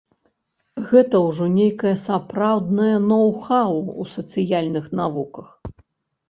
Гэта ўжо нейкае сапраўднае ноў-хаў у сацыяльных навуках.